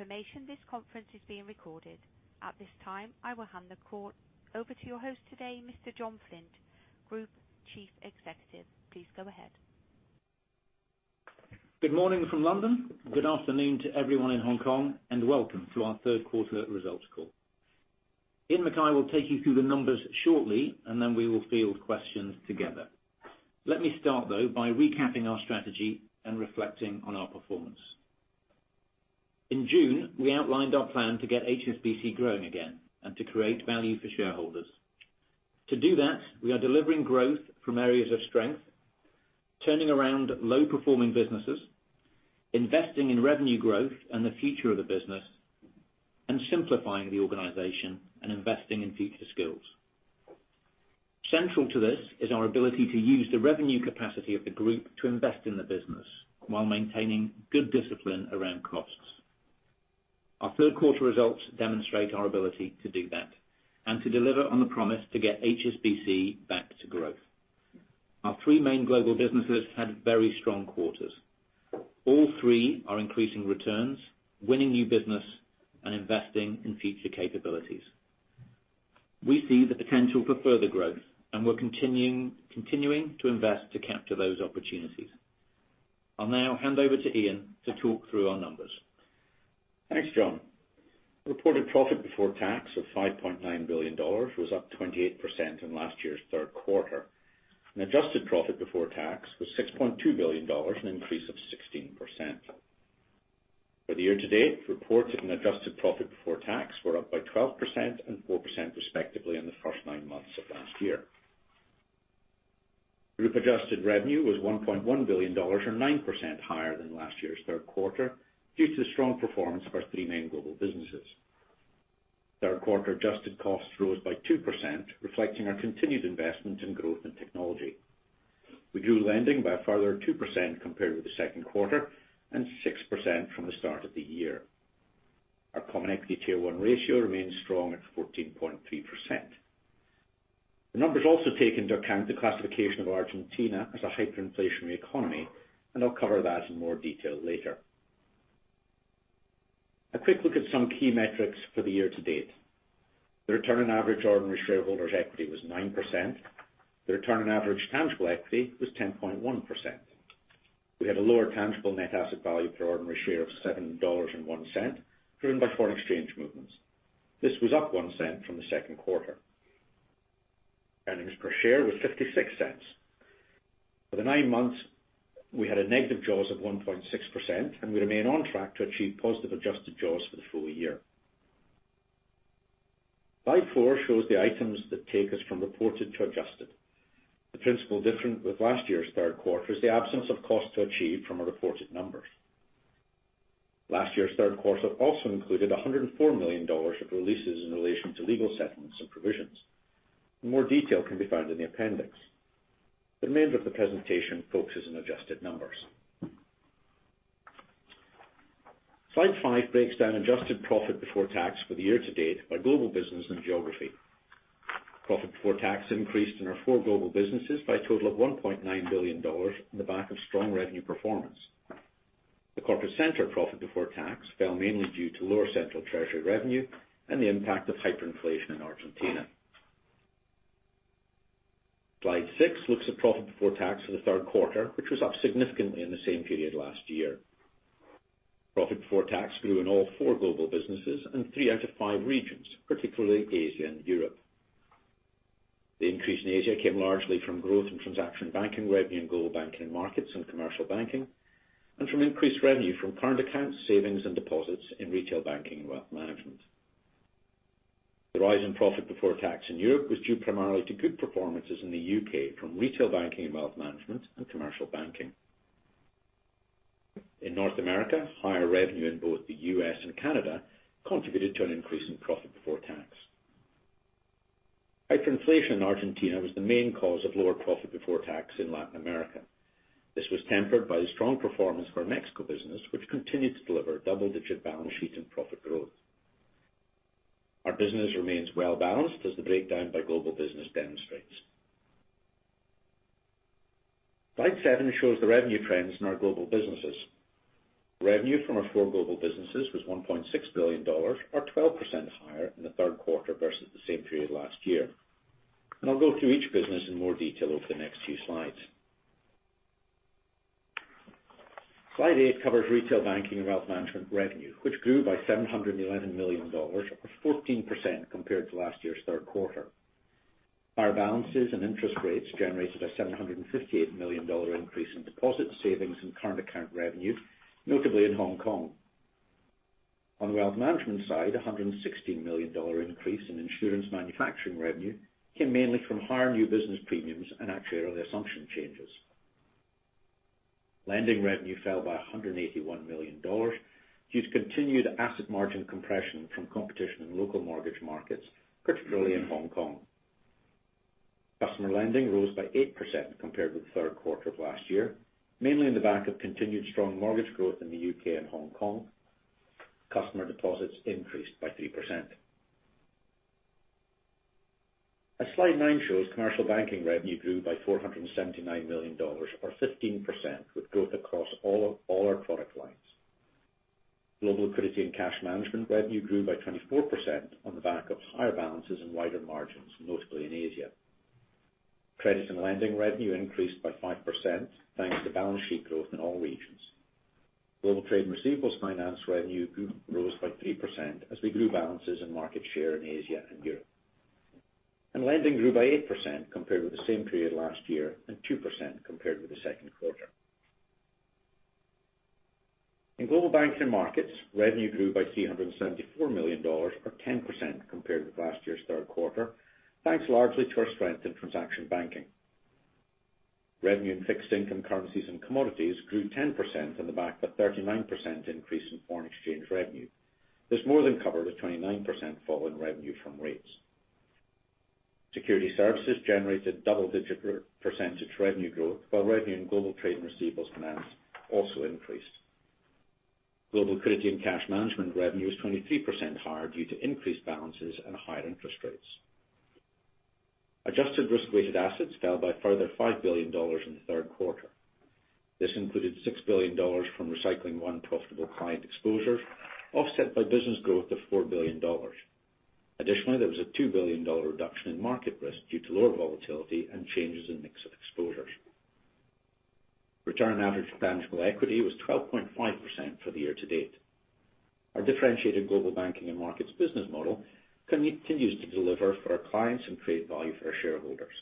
For information, this conference is being recorded. At this time, I will hand the call over to your host today, Mr. John Flint, Group Chief Executive. Please go ahead. Good morning from London. Good afternoon to everyone in Hong Kong, and welcome to our third quarter results call. Iain Mackay will take you through the numbers shortly, and then we will field questions together. Let me start, though, by recapping our strategy and reflecting on our performance. In June, we outlined our plan to get HSBC growing again and to create value for shareholders. To do that, we are delivering growth from areas of strength, turning around low-performing businesses, investing in revenue growth and the future of the business, and simplifying the organization and investing in future skills. Central to this is our ability to use the revenue capacity of the group to invest in the business while maintaining good discipline around costs. Our third quarter results demonstrate our ability to do that and to deliver on the promise to get HSBC back to growth. Our three main global businesses had very strong quarters. All three are increasing returns, winning new business, and investing in future capabilities. We see the potential for further growth, and we're continuing to invest to capture those opportunities. I'll now hand over to Iain to talk through our numbers. Thanks, John. Reported profit before tax of $5.9 billion was up 28% in last year's third quarter. Adjusted profit before tax was $6.2 billion, an increase of 16%. For the year to date, reported and adjusted profit before tax were up by 12% and 4% respectively in the first nine months of last year. Group-adjusted revenue was $1.1 billion, or 9% higher than last year's third quarter, due to the strong performance of our three main global businesses. Third quarter adjusted costs rose by 2%, reflecting our continued investment in growth and technology. We grew lending by a further 2% compared with the second quarter and 6% from the start of the year. Our common equity Tier 1 ratio remains strong at 14.3%. The numbers also take into account the classification of Argentina as a hyperinflationary economy. I'll cover that in more detail later. A quick look at some key metrics for the year to date. The return on average ordinary shareholders' equity was 9%. The return on average tangible equity was 10.1%. We had a lower tangible net asset value per ordinary share of $7.01, driven by foreign exchange movements. This was up $0.01 from the second quarter. Earnings per share was $0.56. For the nine months, we had a negative jaws of 1.6%, and we remain on track to achieve positive adjusted jaws for the full year. Slide four shows the items that take us from reported to adjusted. The principal difference with last year's third quarter is the absence of cost to achieve from our reported numbers. Last year's third quarter also included $104 million of releases in relation to legal settlements and provisions. More detail can be found in the appendix. The remainder of the presentation focuses on adjusted numbers. Slide five breaks down adjusted profit before tax for the year to date by global business and geography. Profit before tax increased in our four global businesses by a total of $1.9 billion on the back of strong revenue performance. The corporate center profit before tax fell mainly due to lower central treasury revenue and the impact of hyperinflation in Argentina. Slide six looks at profit before tax for the third quarter, which was up significantly in the same period last year. Profit before tax grew in all four global businesses and three out of five regions, particularly Asia and Europe. The increase in Asia came largely from growth in transaction banking revenue and Global Banking & Markets and Commercial Banking, and from increased revenue from current accounts, savings, and deposits in Retail Banking and Wealth Management. The rise in profit before tax in Europe was due primarily to good performances in the U.K., from Retail Banking and Wealth Management and Commercial Banking. In North America, higher revenue in both the U.S. and Canada contributed to an increase in profit before tax. Hyperinflation in Argentina was the main cause of lower profit before tax in Latin America. This was tempered by the strong performance of our Mexico business, which continued to deliver double-digit balance sheet and profit growth. Our business remains well-balanced, as the breakdown by global business demonstrates. Slide seven shows the revenue trends in our global businesses. Revenue from our four global businesses was $1.6 billion, or 12% higher in the third quarter versus the same period last year. I'll go through each business in more detail over the next few slides. Slide eight covers Retail Banking and Wealth Management revenue, which grew by $711 million or 14% compared to last year's third quarter. Higher balances and interest rates generated a $758 million increase in deposit savings and current account revenue, notably in Hong Kong. On the wealth management side, $116 million increase in insurance manufacturing revenue came mainly from higher new business premiums and actuarial assumption changes. Lending revenue fell by $181 million due to continued asset margin compression from competition in local mortgage markets, particularly in Hong Kong. Customer lending rose by 8% compared with the third quarter of last year, mainly on the back of continued strong mortgage growth in the U.K. and Hong Kong. Customer deposits increased by 3%. As Slide nine shows, Commercial Banking revenue grew by $479 million, or 15%, with growth across all our product lines. Global Liquidity and Cash Management revenue grew by 24% on the back of higher balances and wider margins, notably in Asia. Credit and lending revenue increased by 5%, thanks to balance sheet growth in all regions. Global Trade and Receivables Finance revenue rose by 3% as we grew balances and market share in Asia and Europe. Lending grew by 8% compared with the same period last year, and 2% compared with the second quarter. In Global Banking & Markets, revenue grew by $374 million, or 10%, compared with last year's third quarter, thanks largely to our strength in transaction banking. Revenue in Fixed Income, Currencies and Commodities grew 10% on the back of a 39% increase in foreign exchange revenue. This more than covered a 29% fall in revenue from rates. Securities services generated double-digit percentage revenue growth, while revenue in Global Trade and Receivables Finance also increased. Global Liquidity and Cash Management revenue was 23% higher due to increased balances and higher interest rates. Adjusted risk-weighted assets fell by a further $5 billion in the third quarter. This included $6 billion from recycling unprofitable client exposures, offset by business growth of $4 billion. Additionally, there was a $2 billion reduction in market risk due to lower volatility and changes in mix of exposures. Return on average tangible equity was 12.5% for the year-to-date. Our differentiated Global Banking & Markets business model continues to deliver for our clients and create value for our shareholders.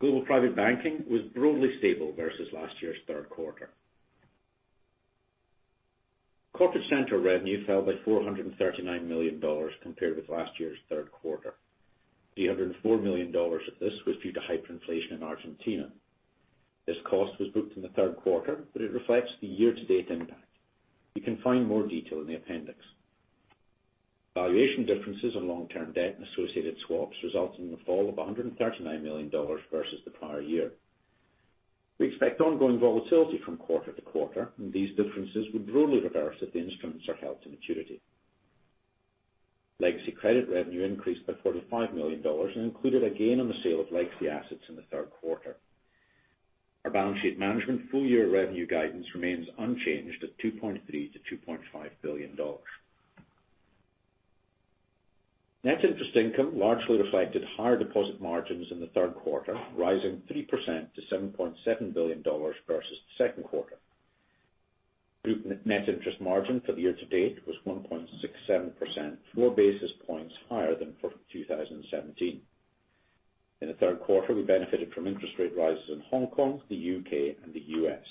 Global Private Banking was broadly stable versus last year's third quarter. Corporate center revenue fell by $439 million compared with last year's third quarter. $304 million of this was due to hyperinflation in Argentina. This cost was booked in the third quarter, but it reflects the year-to-date impact. You can find more detail in the appendix. Valuation differences on long-term debt and associated swaps resulted in the fall of $139 million versus the prior year. We expect ongoing volatility from quarter to quarter, and these differences would broadly reverse if the instruments are held to maturity. Legacy credit revenue increased by $45 million and included a gain on the sale of legacy assets in the third quarter. Our balance sheet management full-year revenue guidance remains unchanged at $2.3 billion-$2.5 billion. Net interest income largely reflected higher deposit margins in the third quarter, rising 3% to $7.7 billion versus the second quarter. Group net interest margin for the year-to-date was 1.67%, four basis points higher than for 2017. In the third quarter, we benefited from interest rate rises in Hong Kong, the U.K., and the U.S.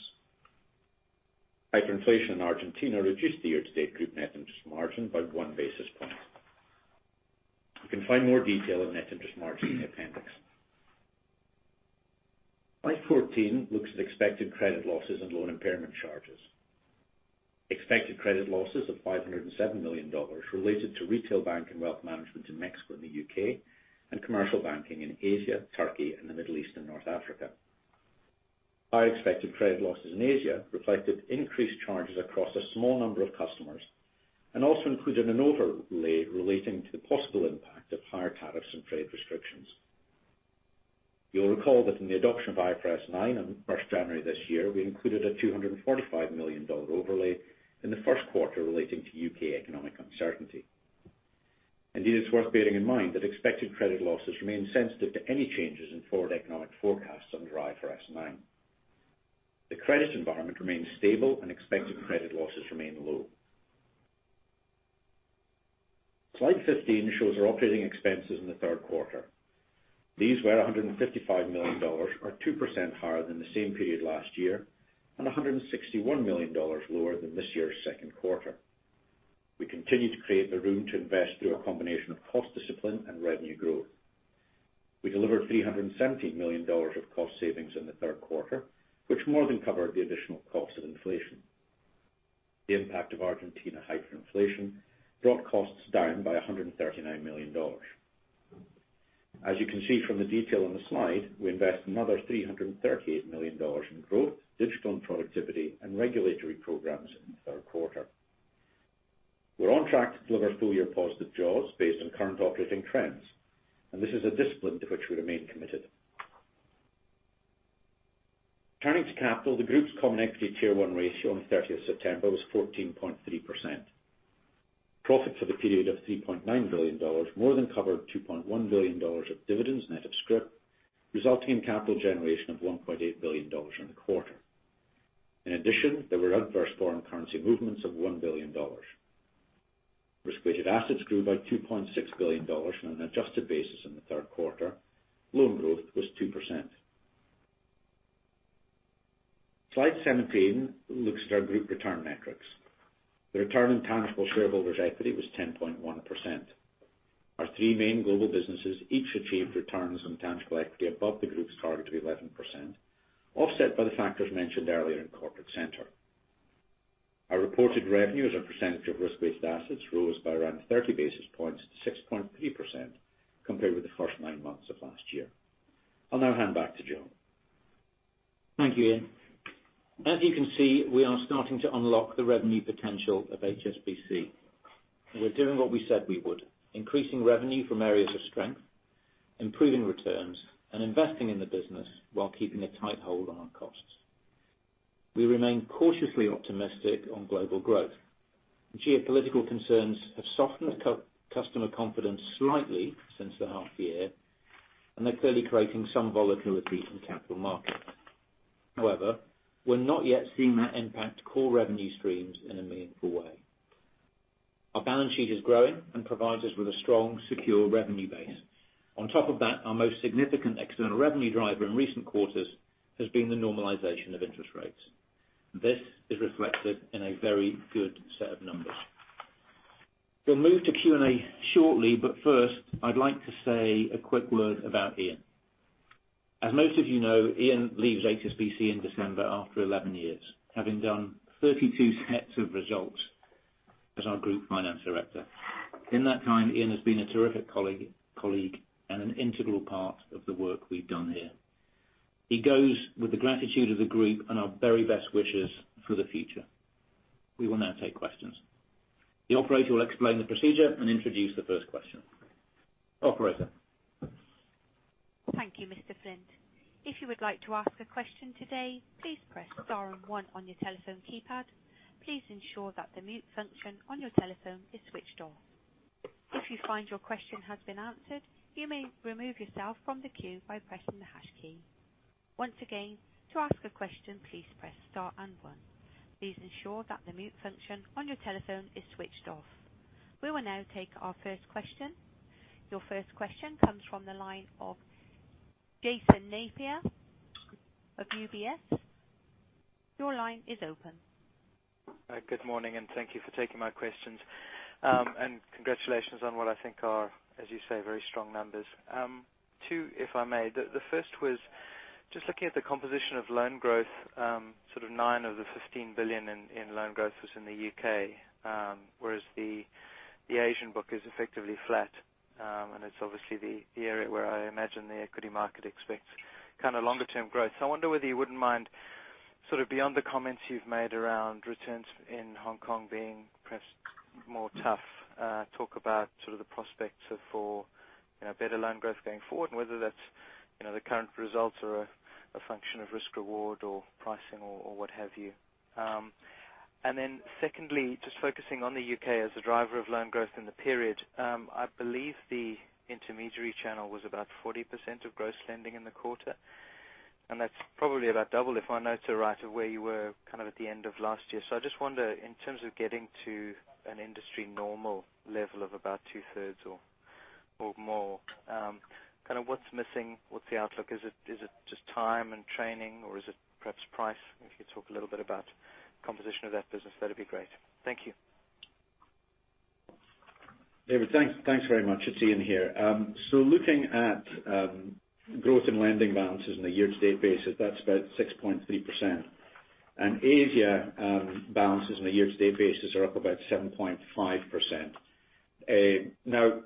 Hyperinflation in Argentina reduced the year-to-date net interest margin by one basis point. You can find more detail on net interest margin in the appendix. Slide 14 looks at expected credit losses and loan impairment charges. Expected credit losses of $507 million related to Retail Banking and Wealth Management in Mexico and the U.K., and Commercial Banking in Asia, Turkey, and the Middle East and North Africa. Our expected credit losses in Asia reflected increased charges across a small number of customers and also included an overlay relating to the possible impact of higher tariffs and trade restrictions. You'll recall that in the adoption of IFRS 9 on 1st January this year, we included a $245 million overlay in the first quarter relating to U.K. economic uncertainty. Indeed, it's worth bearing in mind that expected credit losses remain sensitive to any changes in forward economic forecasts under IFRS 9. The credit environment remains stable and expected credit losses remain low. Slide 15 shows our operating expenses in the third quarter. These were $155 million, or 2% higher than the same period last year, and $161 million lower than this year's second quarter. We continue to create the room to invest through a combination of cost discipline and revenue growth. We delivered $317 million of cost savings in the third quarter, which more than covered the additional cost of inflation. The impact of Argentina hyperinflation brought costs down by $139 million. As you can see from the detail on the slide, we invest another $338 million in growth, digital and productivity, and regulatory programs in the third quarter. We're on track to deliver full-year positive jaws based on current operating trends, and this is a discipline to which we remain committed. Turning to capital, the group's common equity Tier 1 ratio on 30th September was 14.3%. Profit for the period of $3.9 billion more than covered $2.1 billion of dividends net of scrip, resulting in capital generation of $1.8 billion in the quarter. In addition, there were adverse foreign currency movements of $1 billion. Risk-weighted assets grew by $2.6 billion on an adjusted basis in the third quarter. Loan growth was 2%. Slide 17 looks at our group return metrics. The return on tangible shareholders' equity was 10.1%. Our three main global businesses each achieved returns on tangible equity above the group's target of 11%, offset by the factors mentioned earlier in Corporate Center. Our reported revenue as a percentage of risk-weighted assets rose by around 30 basis points to 6.3% compared with the first nine months of last year. I'll now hand back to John. Thank you, Iain. As you can see, we are starting to unlock the revenue potential of HSBC. We're doing what we said we would, increasing revenue from areas of strength, improving returns, and investing in the business while keeping a tight hold on our costs. We remain cautiously optimistic on global growth. Geopolitical concerns have softened customer confidence slightly since the half year, and they're clearly creating some volatility in capital markets. However, we're not yet seeing that impact core revenue streams in a meaningful way. Our balance sheet is growing and provides us with a strong, secure revenue base. On top of that, our most significant external revenue driver in recent quarters has been the normalization of interest rates. This is reflected in a very good set of numbers. We'll move to Q&A shortly, but first, I'd like to say a quick word about Iain. As most of you know, Iain leaves HSBC in December after 11 years, having done 32 sets of results as our Group Finance Director. In that time, Iain has been a terrific colleague and an integral part of the work we've done here. He goes with the gratitude of the group and our very best wishes for the future. We will now take questions. The operator will explain the procedure and introduce the first question. Operator? Thank you, Mr. Flint. If you would like to ask a question today, please press star and one on your telephone keypad. Please ensure that the mute function on your telephone is switched off. If you find your question has been answered, you may remove yourself from the queue by pressing the hash key. Once again, to ask a question, please press star and one. Please ensure that the mute function on your telephone is switched off. We will now take our first question. Your first question comes from the line of Jason Napier of UBS. Your line is open. Good morning. Thank you for taking my questions. Congratulations on what I think are, as you say, very strong numbers. Two, if I may. The first was just looking at the composition of loan growth, nine of the $15 billion in loan growth was in the U.K., whereas the Asian book is effectively flat. It's obviously the area where I imagine the equity market expects longer-term growth. I wonder whether you wouldn't mind, beyond the comments you've made around returns in Hong Kong being perhaps more tough, talk about the prospects for better loan growth going forward, and whether that's the current results or a function of risk reward or pricing or what have you. Secondly, just focusing on the U.K. as a driver of loan growth in the period. I believe the intermediary channel was about 40% of gross lending in the quarter, and that's probably about double, if my notes are right, of where you were at the end of last year. I just wonder, in terms of getting to an industry normal level of about two-thirds or more, what's missing? What's the outlook? Is it just time and training, or is it perhaps price? If you could talk a little bit about composition of that business, that'd be great. Thank you. David, thanks very much. It's Iain here. Looking at growth in lending balances on a year-to-date basis, that's about 6.3%. Asia balances on a year-to-date basis are up about 7.5%.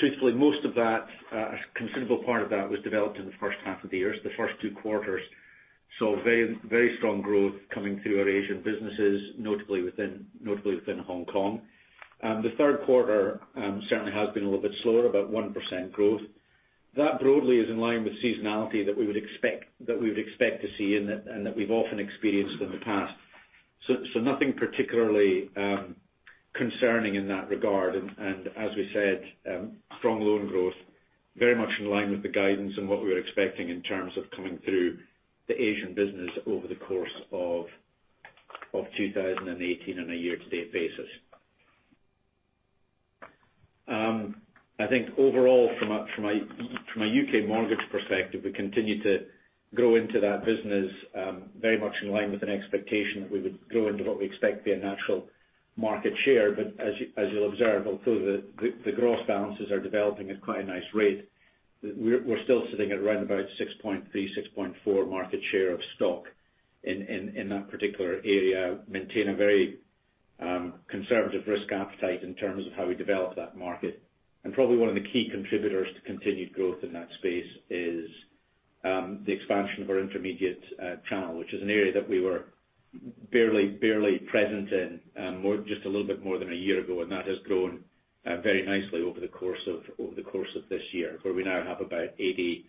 Truthfully, most of that, a considerable part of that was developed in the first half of the year, the first two quarters, saw very strong growth coming through our Asian businesses, notably within Hong Kong. The third quarter certainly has been a little bit slower, about 1% growth. That broadly is in line with seasonality that we would expect to see, and that we've often experienced in the past. Nothing particularly concerning in that regard. As we said, strong loan growth, very much in line with the guidance and what we were expecting in terms of coming through the Asian business over the course of 2018 on a year-to-date basis. I think overall, from a U.K. mortgage perspective, we continue to grow into that business, very much in line with an expectation that we would grow into what we expect to be a natural market share. As you'll observe, although the gross balances are developing at quite a nice rate, we're still sitting at around about 6.3, 6.4 market share of stock in that particular area. Maintain a very conservative risk appetite in terms of how we develop that market. Probably one of the key contributors to continued growth in that space is the expansion of our intermediate channel, which is an area that we were barely present in just a little bit more than a year ago. That has grown very nicely over the course of this year, where we now have about 85%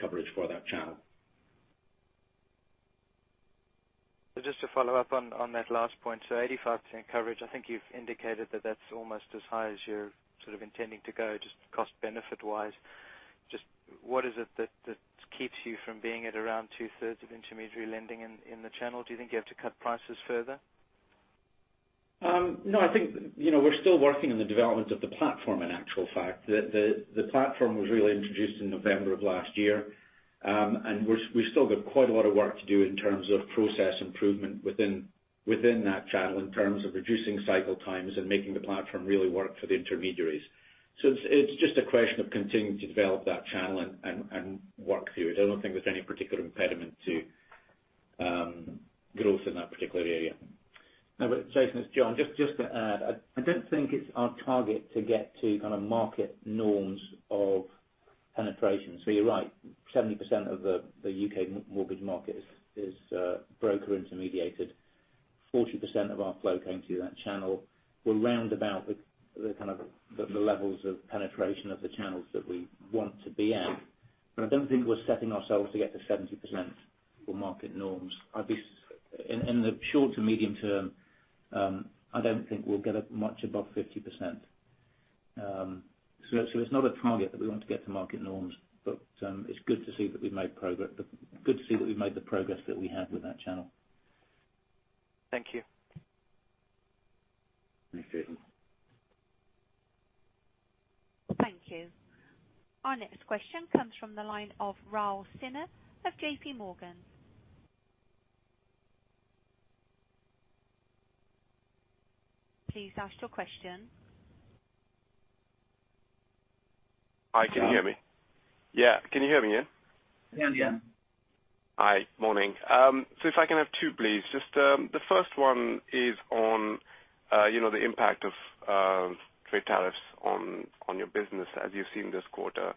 coverage for that channel. Just to follow up on that last point. 85% coverage, I think you've indicated that that's almost as high as you're intending to go, just cost-benefit wise. Just what is it that keeps you from being at around two-thirds of intermediary lending in the channel? Do you think you have to cut prices further? No. We're still working on the development of the platform, in actual fact. The platform was really introduced in November of last year. We've still got quite a lot of work to do in terms of process improvement within that channel, in terms of reducing cycle times and making the platform really work for the intermediaries. It's just a question of continuing to develop that channel and work through it. I don't think there's any particular impediment to. Growth in that particular area. Jason, it's John. Just to add, I don't think it's our target to get to kind of market norms of penetration. You're right, 70% of the U.K. mortgage market is broker intermediated. 40% of our flow came through that channel. We're round about the levels of penetration of the channels that we want to be at, but I don't think we're setting ourselves to get to 70% or market norms. In the short to medium term, I don't think we'll get up much above 50%. It's not a target that we want to get to market norms, but it's good to see that we've made the progress that we have with that channel. Thank you. Thanks, Jason. Thank you. Our next question comes from the line of Rahul Sinha of JPMorgan. Please ask your question. Hi, can you hear me? Yeah, can you hear me, yeah? We can, yeah. Hi. Morning. If I can have two, please. Just the first one is on the impact of trade tariffs on your business as you've seen this quarter,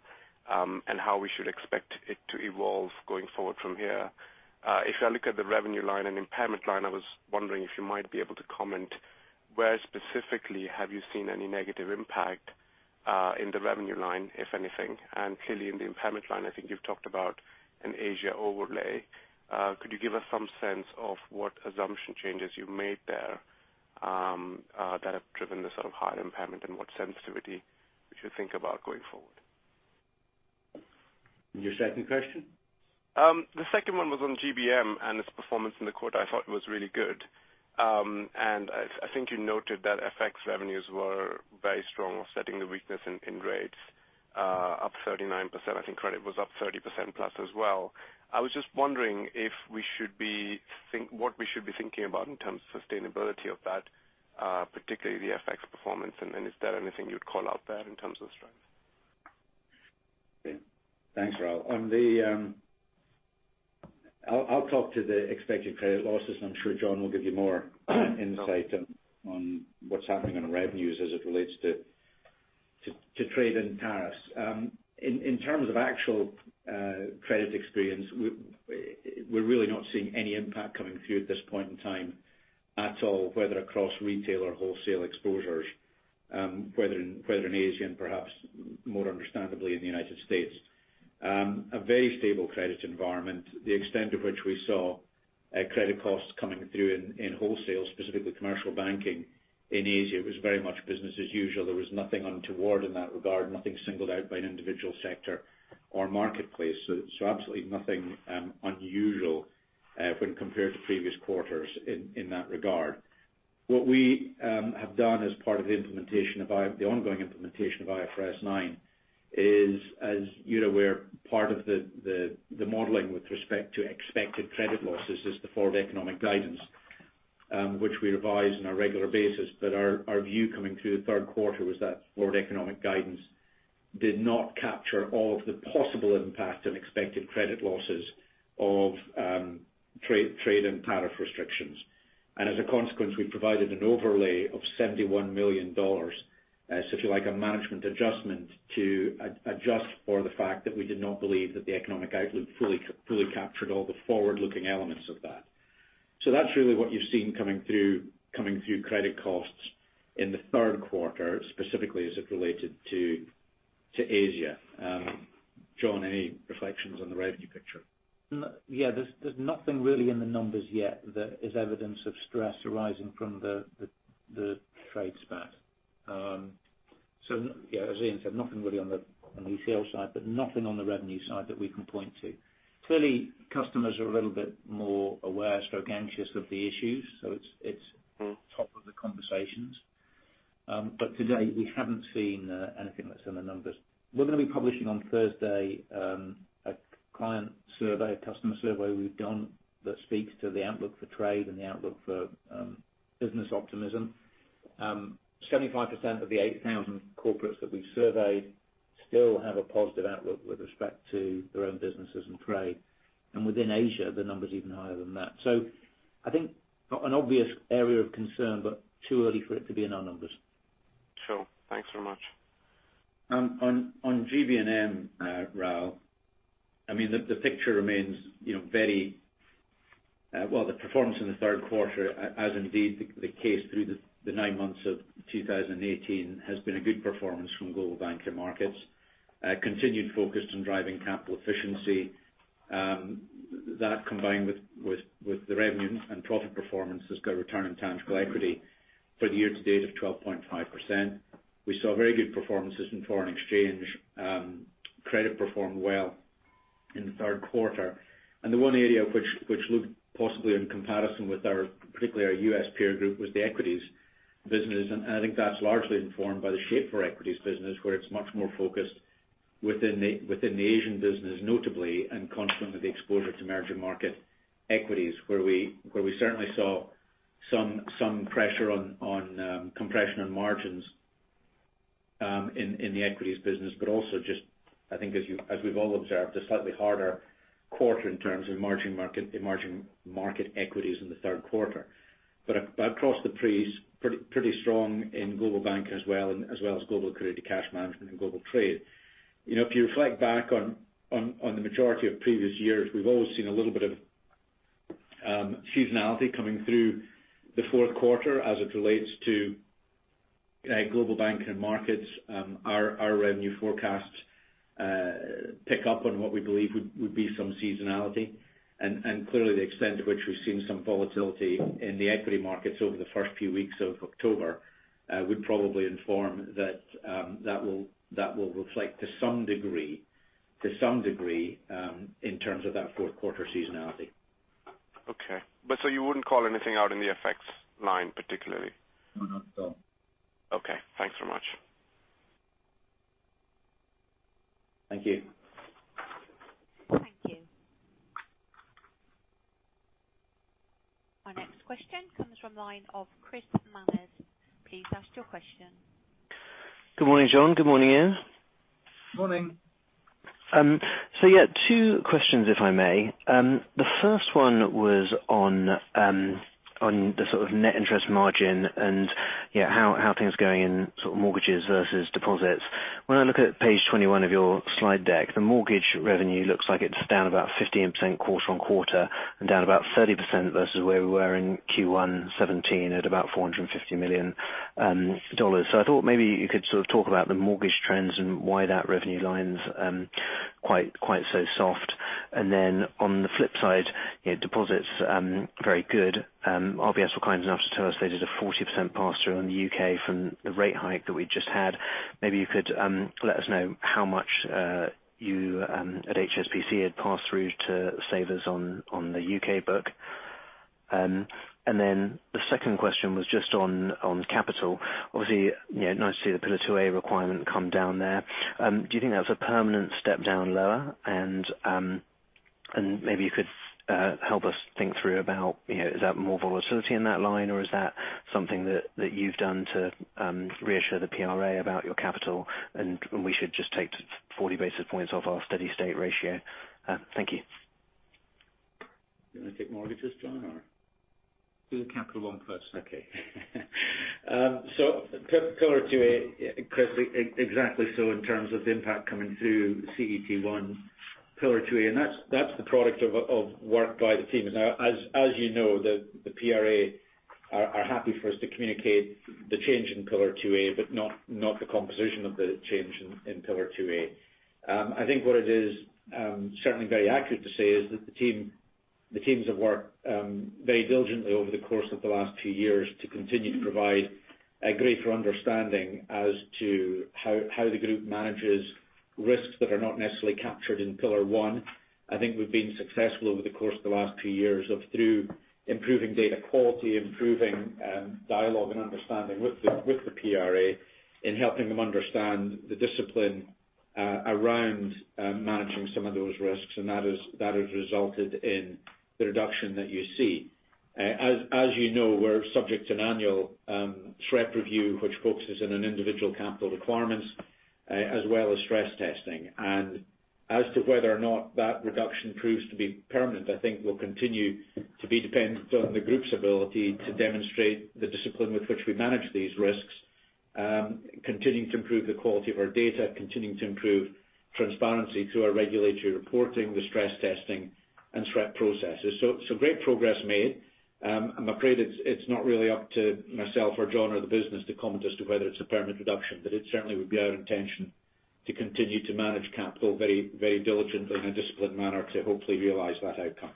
and how we should expect it to evolve going forward from here. If I look at the revenue line and impairment line, I was wondering if you might be able to comment where specifically have you seen any negative impact, in the revenue line, if anything, and clearly in the impairment line, I think you've talked about an Asia overlay. Could you give us some sense of what assumption changes you've made there, that have driven the sort of higher impairment and what sensitivity we should think about going forward? Your second question? The second one was on GBM and its performance in the quarter I thought was really good. I think you noted that FX revenues were very strong offsetting the weakness in rates, up 39%. I think credit was up 30% plus as well. I was just wondering what we should be thinking about in terms of sustainability of that, particularly the FX performance, and is there anything you'd call out there in terms of strength? Okay. Thanks, Rahul. I'll talk to the expected credit losses, and I'm sure John will give you more insight on what's happening on revenues as it relates to trade and tariffs. In terms of actual credit experience, we're really not seeing any impact coming through at this point in time at all, whether across retail or wholesale exposures. Whether in Asia and perhaps more understandably in the U.S. A very stable credit environment. The extent of which we saw credit costs coming through in wholesale, specifically Commercial Banking in Asia, was very much business as usual. There was nothing untoward in that regard. Nothing singled out by an individual sector or marketplace. Absolutely nothing unusual when compared to previous quarters in that regard. What we have done as part of the ongoing implementation of IFRS 9 is, as you're aware, part of the modeling with respect to expected credit losses is the forward economic guidance, which we revise on a regular basis. Our view coming through the third quarter was that forward economic guidance did not capture all of the possible impact and expected credit losses of trade and tariff restrictions. As a consequence, we provided an overlay of $71 million. If you like, a management adjustment to adjust for the fact that we did not believe that the economic outlook fully captured all the forward-looking elements of that. That's really what you've seen coming through credit costs in the third quarter, specifically as it related to Asia. John, any reflections on the revenue picture? Yeah. There's nothing really in the numbers yet that is evidence of stress arising from the trade spat. Yeah, as Iain said, nothing really on the wholesale side, but nothing on the revenue side that we can point to. Clearly, customers are a little bit more aware/anxious of the issues. It's top of the conversations. To date, we haven't seen anything that's in the numbers. We're going to be publishing on Thursday a client survey, a customer survey we've done that speaks to the outlook for trade and the outlook for business optimism. 75% of the 8,000 corporates that we surveyed still have a positive outlook with respect to their own businesses and trade. Within Asia, the number's even higher than that. I think not an obvious area of concern, but too early for it to be in our numbers. Sure. Thanks very much. On GB&M, Rahul, the performance in the third quarter, as indeed the case through the 9 months of 2018, has been a good performance from Global Banking & Markets. Continued focus on driving capital efficiency. That combined with the revenue and profit performance has got a return on tangible equity for the year to date of 12.5%. We saw very good performances in foreign exchange. Credit performed well in the third quarter. The one area which looked possibly in comparison with our, particularly our U.S. peer group, was the equities business. I think that's largely informed by the shape for equities business, where it's much more focused within the Asian business notably, and consequently the exposure to emerging market equities, where we certainly saw some compression on margins in the equities business, but also just, I think as we've all observed, a slightly harder quarter in terms of emerging market equities in the third quarter. Across the piece, pretty strong in Global Banking as well as Global Liquidity and Cash Management, and global trade. If you reflect back on the majority of previous years, we've always seen a little bit of seasonality coming through the fourth quarter as it relates to Global Banking & Markets. Our revenue forecasts pick up on what we believe would be some seasonality. Clearly the extent to which we've seen some volatility in the equity markets over the first few weeks of October would probably inform that will reflect to some degree, in terms of that fourth quarter seasonality. You wouldn't call anything out in the FX line, particularly? Would not call. Okay. Thanks so much. Thank you. Thank you. Our next question comes from the line of Chris Manners. Please ask your question. Good morning, John. Good morning, Iain. Morning. Yeah, two questions, if I may. The first one was on the net interest margin and how things are going in mortgages versus deposits. When I look at page 21 of your slide deck, the mortgage revenue looks like it's down about 15% quarter-on-quarter and down about 30% versus where we were in Q1 2017 at about $450 million. I thought maybe you could sort of talk about the mortgage trends and why that revenue line's quite so soft. On the flip side, deposits very good. RBS were kind enough to tell us they did a 40% pass-through in the U.K. from the rate hike that we just had. Maybe you could let us know how much you at HSBC had passed through to savers on the U.K. book. The second question was just on capital. Obviously, nice to see the Pillar 2A requirement come down there. Do you think that's a permanent step down lower? Maybe you could help us think through about is that more volatility in that line or is that something that you've done to reassure the PRA about your capital, and we should just take 40 basis points off our steady state ratio? Thank you. Do you want to take mortgages, John? Do the capital one first. Pillar 2A, Chris, exactly so in terms of the impact coming through CET1 Pillar 2A, that's the product of work by the team. Now, as you know, the PRA are happy for us to communicate the change in Pillar 2A, but not the composition of the change in Pillar 2A. I think what it is certainly very accurate to say is that the teams have worked very diligently over the course of the last two years to continue to provide a greater understanding as to how the group manages risks that are not necessarily captured in Pillar 1. I think we've been successful over the course of the last two years through improving data quality, improving dialogue and understanding with the PRA in helping them understand the discipline around managing some of those risks. That has resulted in the reduction that you see. As you know, we're subject to an annual SREP review, which focuses on an individual capital requirements, as well as stress testing. As to whether or not that reduction proves to be permanent, I think will continue to be dependent on the group's ability to demonstrate the discipline with which we manage these risks, continuing to improve the quality of our data, continuing to improve transparency through our regulatory reporting, the stress testing and SREP processes. Great progress made. I'm afraid it's not really up to myself or John or the business to comment as to whether it's a permanent reduction, but it certainly would be our intention to continue to manage capital very diligently in a disciplined manner to hopefully realize that outcome.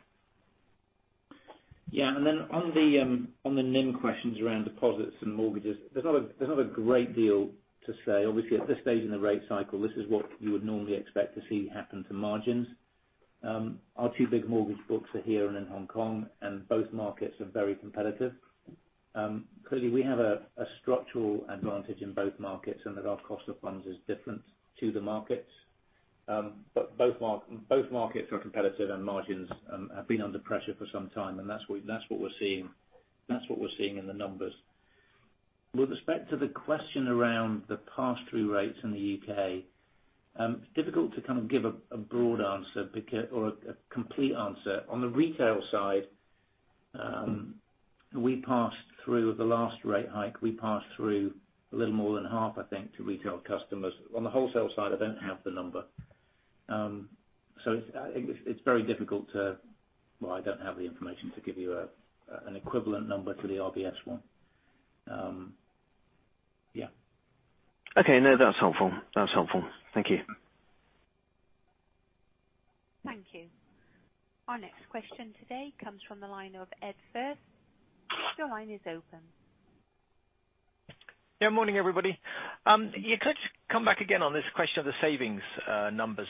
Yeah. On the NIM questions around deposits and mortgages, there's not a great deal to say. Obviously, at this stage in the rate cycle, this is what you would normally expect to see happen to margins. Our two big mortgage books are here and in Hong Kong, and both markets are very competitive. Clearly, we have a structural advantage in both markets and that our cost of funds is different to the markets. Both markets are competitive and margins have been under pressure for some time, and that's what we're seeing in the numbers. With respect to the question around the pass-through rates in the U.K., it's difficult to give a broad answer or a complete answer. On the retail side, we passed through the last rate hike. We passed through a little more than half, I think, to retail customers. On the wholesale side, I don't have the number. It's very difficult to I don't have the information to give you an equivalent number to the RBS one. Yeah. Okay. No, that's helpful. Thank you. Thank you. Our next question today comes from the line of Ed Firth. Your line is open. Yeah. Morning, everybody. Could you come back again on this question of the savings numbers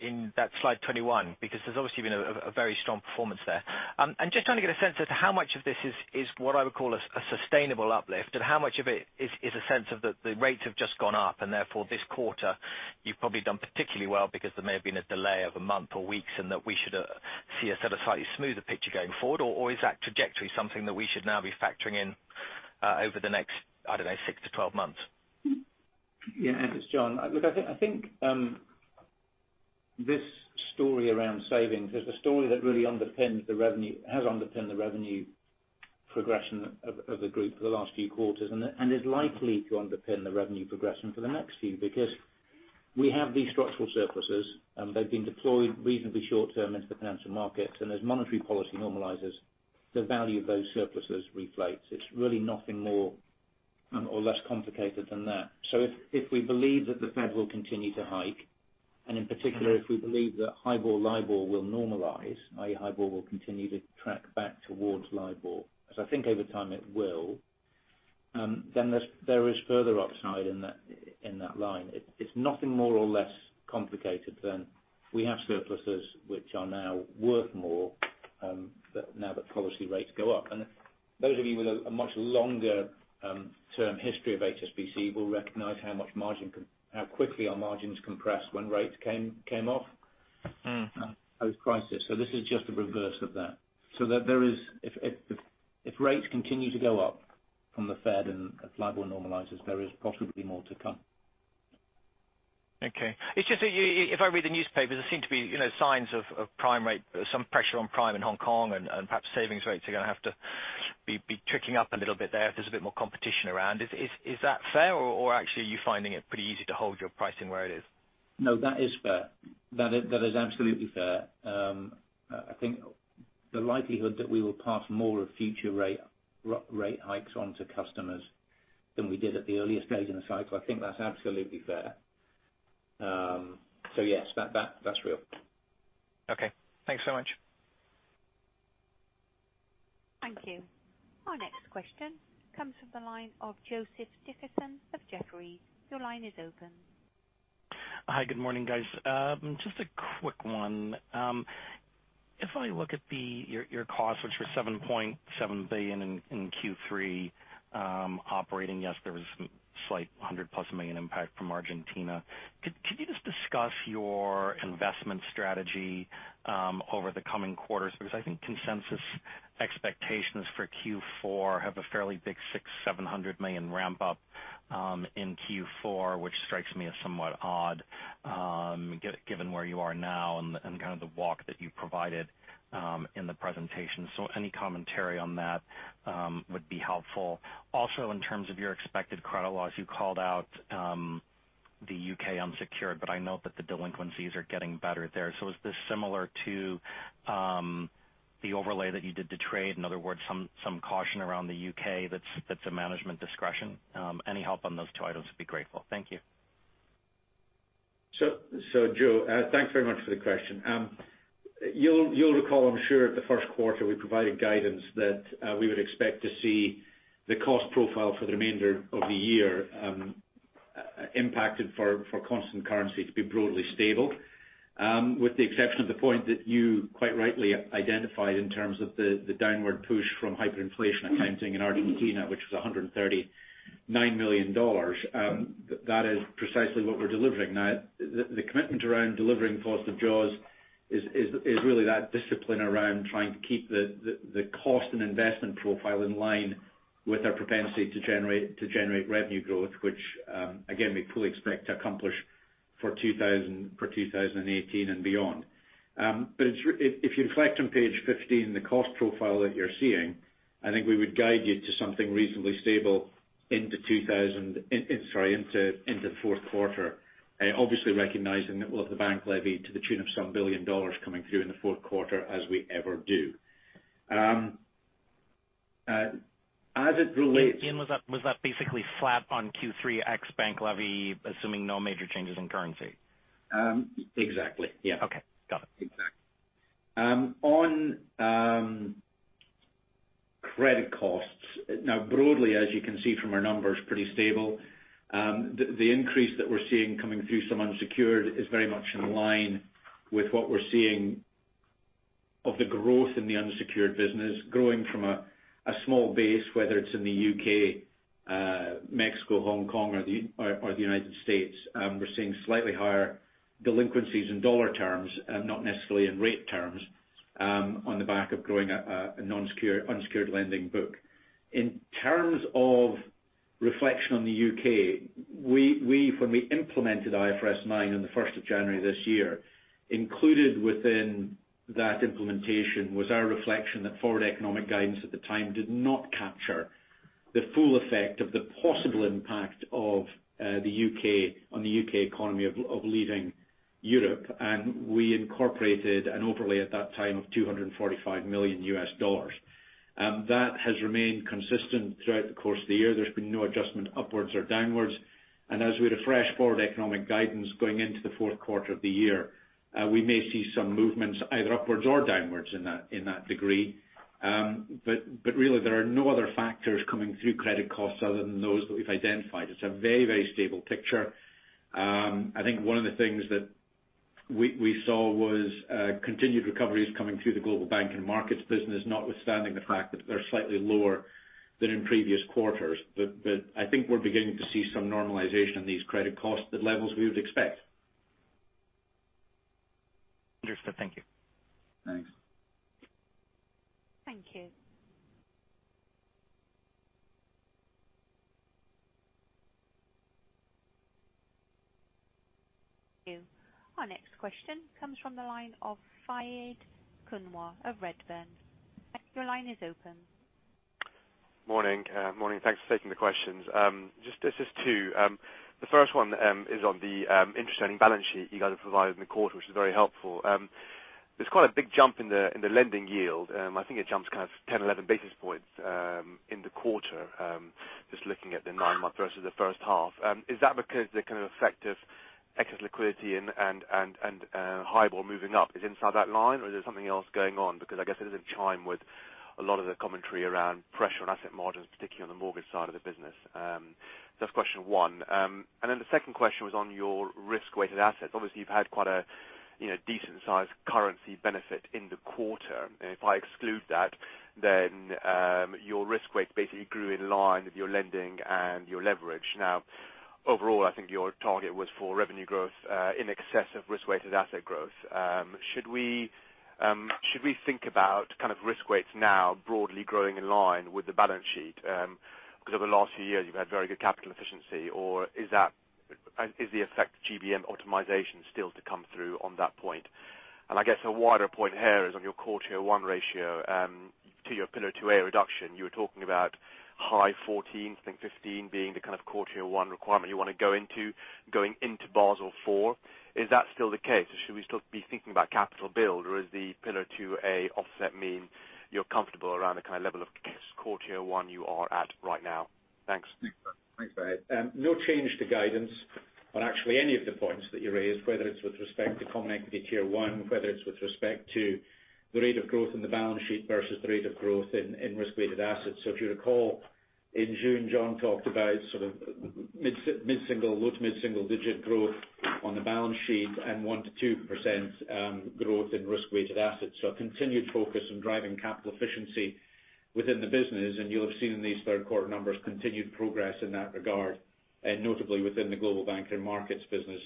in that slide 21, because there's obviously been a very strong performance there. I'm just trying to get a sense as to how much of this is what I would call a sustainable uplift and how much of it is a sense of the rates have just gone up and therefore this quarter you've probably done particularly well because there may have been a delay of a month or weeks and that we should see a set of slightly smoother picture going forward? Is that trajectory something that we should now be factoring in over the next, I don't know, 6 to 12 months? Yeah. Ed Firth, it's John Flint. This story around savings is the story that really has underpinned the revenue progression of the group for the last few quarters, is likely to underpin the revenue progression for the next few, because we have these structural surpluses, they've been deployed reasonably short-term into the financial markets. As monetary policy normalizes, the value of those surpluses reflates. It's really nothing more or less complicated than that. If we believe that the Fed will continue to hike, in particular, if we believe that HIBOR, LIBOR will normalize, i.e., HIBOR will continue to track back towards LIBOR, as I think over time it will, then there is further upside in that line. It's nothing more or less complicated than we have surpluses, which are now worth more now that policy rates go up. Those of you with a much longer term history of HSBC will recognize how quickly our margins compressed when rates came off. post-crisis. This is just the reverse of that. If rates continue to go up from the Fed and as LIBOR normalizes, there is possibly more to come. Okay. It's just, if I read the newspapers, there seem to be signs of some pressure on prime in Hong Kong and perhaps savings rates are going to have to be trickling up a little bit there if there's a bit more competition around. Is that fair, or actually, are you finding it pretty easy to hold your pricing where it is? No, that is fair. That is absolutely fair. I think the likelihood that we will pass more of future rate hikes on to customers than we did at the earliest stage in the cycle, I think that's absolutely fair. Yes, that's real. Okay. Thanks so much. Thank you. Our next question comes from the line of Joseph Dickerson of Jefferies. Your line is open. Hi. Good morning, guys. Just a quick one. If I look at your costs, which were $7.7 billion in Q3 operating. Yes, there was a slight $100 million-plus impact from Argentina. Could you just discuss your investment strategy over the coming quarters? Because I think consensus expectations for Q4 have a fairly big $600 million-$700 million ramp up in Q4, which strikes me as somewhat odd given where you are now and the walk that you provided in the presentation. Any commentary on that would be helpful. Also, in terms of your expected credit losses, you called out the U.K. unsecured, but I note that the delinquencies are getting better there. Is this similar to the overlay that you did to trade? In other words, some caution around the U.K. that's a management discretion? Any help on those two items, I'd be grateful. Thank you. Joe, thanks very much for the question. You'll recall, I'm sure, at the first quarter, we provided guidance that we would expect to see the cost profile for the remainder of the year impacted for constant currency to be broadly stable. With the exception of the point that you quite rightly identified in terms of the downward push from hyperinflation and cleansing in Argentina, which was $139 million. That is precisely what we're delivering. The commitment around delivering cost jaws is really that discipline around trying to keep the cost and investment profile in line with our propensity to generate revenue growth, which, again, we fully expect to accomplish for 2018 and beyond. If you reflect on page 15, the cost profile that you're seeing, I think we would guide you to something reasonably stable into fourth quarter. Obviously recognizing that we'll have the bank levy to the tune of some $1 billion coming through in the fourth quarter as we ever do. As it relates- Iain, was that basically flat on Q3 ex bank levy, assuming no major changes in currency? Exactly, yeah. Okay. Got it. Exactly. On credit costs. Broadly, as you can see from our numbers, pretty stable. The increase that we're seeing coming through some unsecured is very much in line with what we're seeing of the growth in the unsecured business. Growing from a small base, whether it's in the U.K., Mexico, Hong Kong, or the United States. We're seeing slightly higher delinquencies in dollar terms, not necessarily in rate terms, on the back of growing a non-secured, unsecured lending book. In terms of reflection on the U.K., when we implemented IFRS 9 on the 1st of January this year, included within that implementation was our reflection that forward economic guidance at the time did not capture the full effect of the possible impact on the U.K. economy of leaving Europe. We incorporated an overlay at that time of $245 million. That has remained consistent throughout the course of the year. There has been no adjustment upwards or downwards. As we refresh forward economic guidance going into the fourth quarter of the year, we may see some movements either upwards or downwards in that degree. Really, there are no other factors coming through credit costs other than those that we have identified. It is a very stable picture. I think one of the things that we saw was continued recoveries coming through the Global Banking & Markets business, notwithstanding the fact that they are slightly lower than in previous quarters. I think we are beginning to see some normalization in these credit costs at levels we would expect. Understood. Thank you. Thanks. Thank you. Thank you. Our next question comes from the line of Fahed Kunwar of Redburn. Your line is open. Morning. Thanks for taking the questions. There is just two. The first one is on the interesting balance sheet you guys have provided in the quarter, which is very helpful. There is quite a big jump in the lending yield. I think it jumps 10, 11 basis points in the quarter, just looking at the nine-month versus the first half. Is that because the kind of effect of excess liquidity and HIBOR moving up is inside that line, or is there something else going on? I guess it does not chime with a lot of the commentary around pressure on asset margins, particularly on the mortgage side of the business. That is question one. The second question was on your risk-weighted assets. Obviously, you have had quite a decent sized currency benefit in the quarter. If I exclude that, your risk weight basically grew in line with your lending and your leverage. Overall, I think your target was for revenue growth in excess of risk-weighted asset growth. Should we think about risk weights now broadly growing in line with the balance sheet? Because over the last few years, you've had very good capital efficiency. Or is the effect GBM optimization still to come through on that point? I guess a wider point here is on your quarter 1 ratio to your Pillar 2A reduction. You were talking about high 14, I think 15 being the kind of core Tier 1 requirement you want to go into going into Basel IV. Is that still the case? Should we still be thinking about capital build, or is the Pillar 2A offset mean you're comfortable around the kind of level of core Tier 1 you are at right now? Thanks. Thanks, Fahed. No change to guidance on actually any of the points that you raised, whether it's with respect to common equity Tier 1, whether it's with respect to the rate of growth in the balance sheet versus the rate of growth in risk-weighted assets. If you recall, in June, John talked about mid-single, low to mid-single digit growth on the balance sheet and 1%-2% growth in risk-weighted assets. A continued focus on driving capital efficiency within the business, and you'll have seen in these third quarter numbers, continued progress in that regard, notably within the Global Banking & Markets business.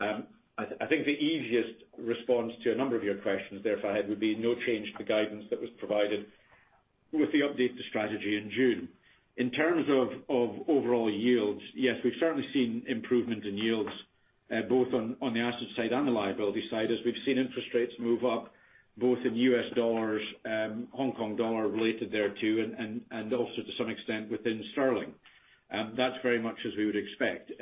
I think the easiest response to a number of your questions there, Fahed, would be no change to the guidance that was provided with the update to strategy in June. In terms of overall yields, yes, we've certainly seen improvement in yields both on the asset side and the liability side, as we've seen interest rates move up, both in US dollars, HKD related there too, and also to some extent within GBP. That's very much as we would expect.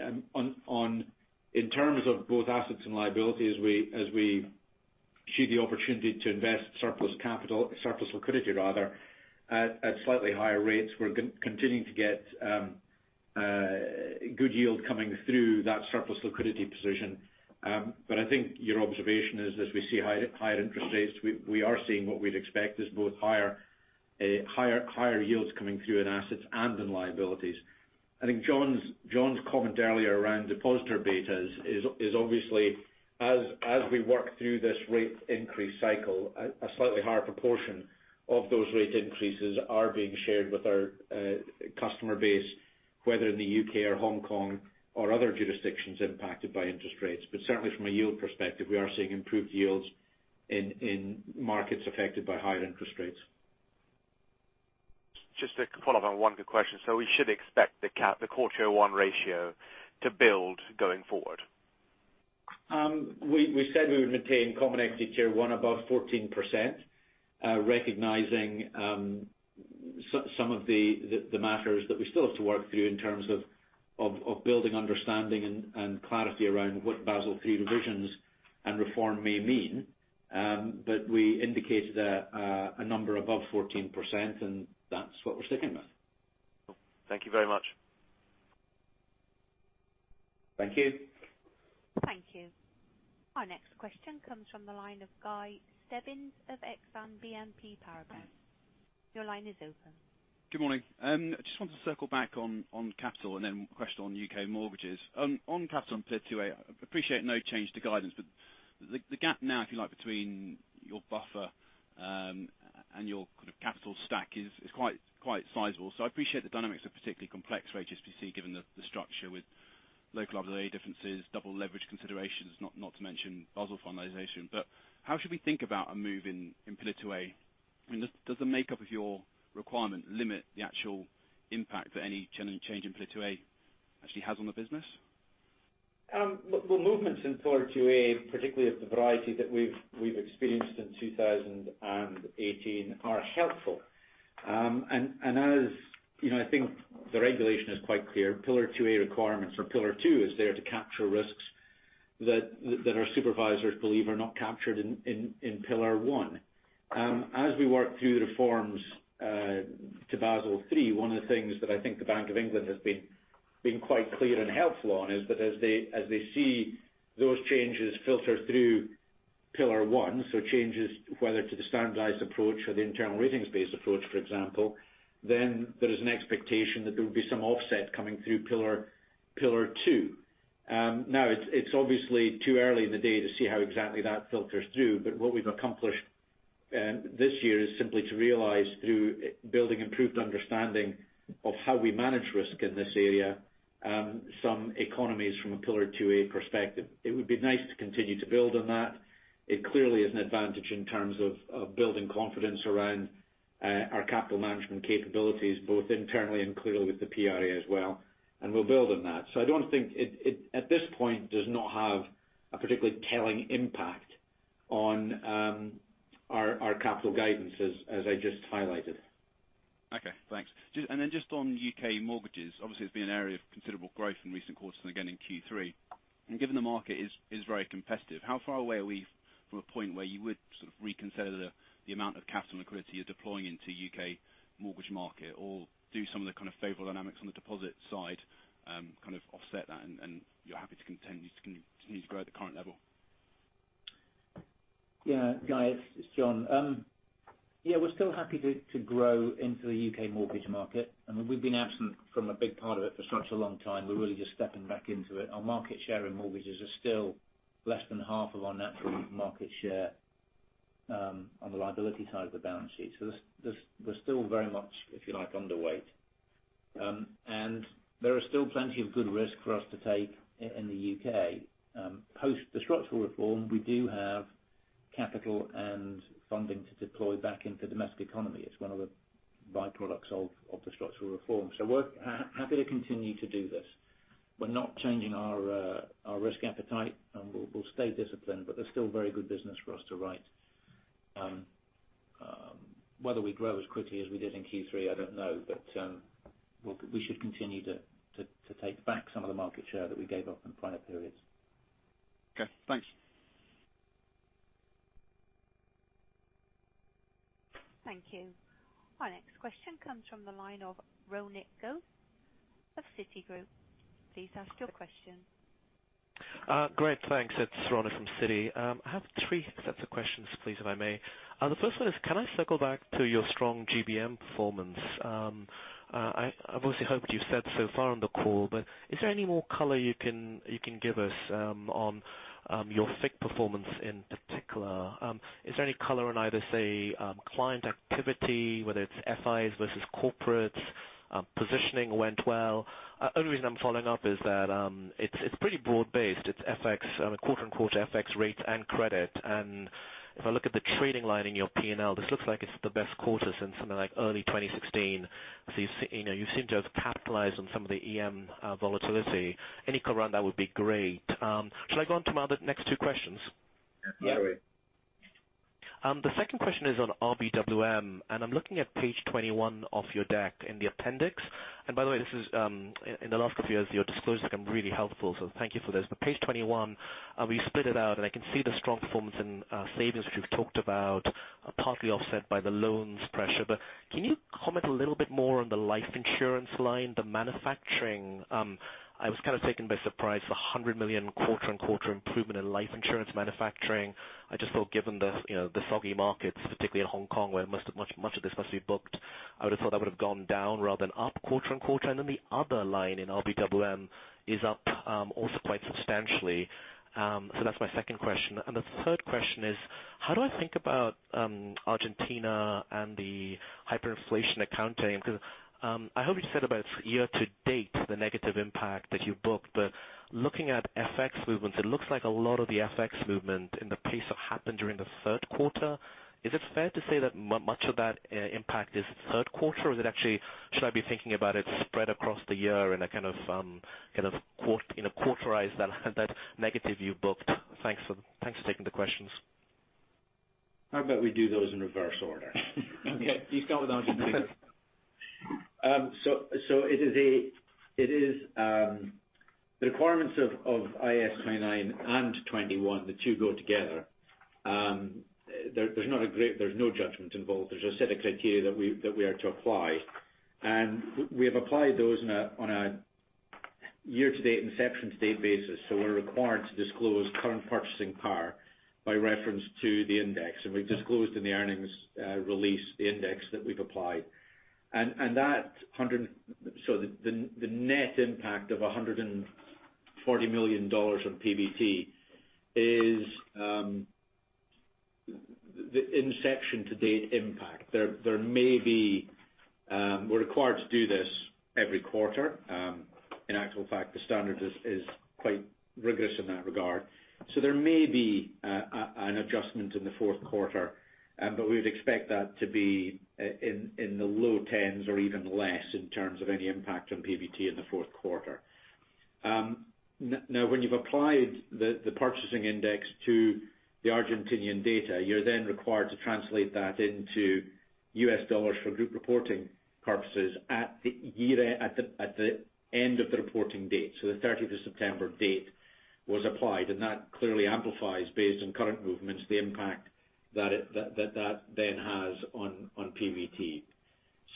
In terms of both assets and liabilities, as we see the opportunity to invest surplus liquidity at slightly higher rates, we're continuing to get good yield coming through that surplus liquidity position. I think your observation is, as we see higher interest rates, we are seeing what we'd expect as both higher yields coming through in assets and in liabilities. I think John's comment earlier around depositor betas is obviously, as we work through this rate increase cycle, a slightly higher proportion of those rate increases are being shared with our customer base, whether in the U.K. or Hong Kong or other jurisdictions impacted by interest rates. Certainly, from a yield perspective, we are seeing improved yields in markets affected by higher interest rates. Just to follow up on one good question. We should expect the core Tier 1 ratio to build going forward? We said we would maintain common equity Tier 1 above 14%, recognizing some of the matters that we still have to work through in terms of building understanding and clarity around what Basel III revisions and reform may mean. We indicated a number above 14%, and that's what we're sticking with. Thank you very much. Thank you. Thank you. Our next question comes from the line of Guy Stebbings of Exane BNP Paribas. Your line is open. Good morning. I just wanted to circle back on capital and then a question on U.K. mortgages. On capital and Pillar 2A, I appreciate no change to guidance, but the gap now, if you like, between your buffer, and your capital stack is quite sizable. I appreciate the dynamics are particularly complex for HSBC, given the structure with local regulatory differences, double leverage considerations, not to mention Basel finalization. How should we think about a move in Pillar 2A? I mean, does the makeup of your requirement limit the actual impact that any change in Pillar 2A actually has on the business? Well, movements in Pillar 2A, particularly of the variety that we've experienced in 2018, are helpful. As you know, I think the regulation is quite clear. Pillar 2A requirements or Pillar 2 is there to capture risks that our supervisors believe are not captured in Pillar 1. We work through reforms to Basel III, one of the things that I think the Bank of England has been quite clear and helpful on is that as they see those changes filter through Pillar 1, so changes whether to the standardized approach or the internal ratings-based approach, for example, there is an expectation that there will be some offset coming through Pillar 2. It's obviously too early in the day to see how exactly that filters through, but what we've accomplished this year is simply to realize through building improved understanding of how we manage risk in this area, some economies from a Pillar 2A perspective. It would be nice to continue to build on that. It clearly is an advantage in terms of building confidence around our capital management capabilities, both internally and clearly with the PRA as well, and we'll build on that. I don't think At this point, does not have a particularly telling impact on our capital guidances, as I just highlighted. Okay, thanks. Just on U.K. mortgages, obviously it's been an area of considerable growth in recent quarters and again in Q3. Given the market is very competitive, how far away are we from a point where you would sort of reconsider the amount of capital and liquidity you're deploying into U.K. mortgage market? Do some of the kind of favorable dynamics on the deposit side kind of offset that and you're happy to continue to grow at the current level? Yeah, guys, it's John. Yeah, we're still happy to grow into the U.K. mortgage market. I mean, we've been absent from a big part of it for such a long time. We're really just stepping back into it. Our market share in mortgages are still less than half of our natural market share on the liability side of the balance sheet. We're still very much, if you like, underweight. There are still plenty of good risk for us to take in the U.K. Post the structural reform, we do have capital and funding to deploy back into domestic economy. It's one of the byproducts of the structural reform. We're happy to continue to do this. We're not changing our risk appetite, and we'll stay disciplined, but there's still very good business for us to write. Whether we grow as quickly as we did in Q3, I don't know. We should continue to take back some of the market share that we gave up in prior periods. Okay, thanks. Thank you. Our next question comes from the line of Ronit Ghose of Citigroup. Please ask your question. Great. Thanks. It's Ronit from Citi. I have three sets of questions, please, if I may. The first one is, can I circle back to your strong GBM performance? I've obviously hoped you've said so far on the call, but is there any more color you can give us on your FICC performance in particular? Is there any color on either, say, client activity, whether it's FIs versus corporates, positioning went well? Only reason I'm following up is that it's pretty broad based. It's quarter-on-quarter FX rates and credit. If I look at the trading line in your P&L, this looks like it's the best quarter since something like early 2016. You seem to have capitalized on some of the EM volatility. Any color on that would be great. Should I go on to my next two questions? Yeah. Fire away. The second question is on RBWM. I'm looking at page 21 of your deck in the appendix. By the way, in the last couple of years, your disclosures become really helpful, so thank you for this. Page 21, we split it out, and I can see the strong performance in savings, which we've talked about, partly offset by the loans pressure. Can you comment a little bit more on the life insurance line, the manufacturing? I was kind of taken by surprise, the 100 million quarter-on-quarter improvement in life insurance manufacturing. I just thought given the soggy markets, particularly in Hong Kong, where much of this must be booked, I would have thought that would have gone down rather than up quarter-on-quarter. The other line in RBWM is up also quite substantially. That's my second question. The third question is: how do I think about Argentina and the hyperinflation accounting? I hope you said about year-to-date, the negative impact that you booked. Looking at FX movements, it looks like a lot of the FX movement in the piece that happened during the third quarter. Is it fair to say that much of that impact is third quarter, or is it actually, should I be thinking about it spread across the year in a kind of quarterized that negative you booked? Thanks for taking the questions. How about we do those in reverse order? Okay. You start with Argentina. It is the requirements of IAS 29 and IAS 21, the two go together. There's no judgment involved. There's a set of criteria that we are to apply. We have applied those on a year-to-date, inception-to-date basis. We're required to disclose current purchasing power by reference to the index. We've disclosed in the earnings release the index that we've applied. The net impact of $140 million on PBT is the inception-to-date impact. We're required to do this every quarter. In actual fact, the standard is quite rigorous in that regard. There may be an adjustment in the fourth quarter, but we would expect that to be in the low tens or even less in terms of any impact on PBT in the fourth quarter. When you've applied the purchasing index to the Argentinian data, you're then required to translate that into US dollars for group reporting purposes at the end of the reporting date. The 30th of September date was applied, that clearly amplifies, based on current movements, the impact that that then has on PBT.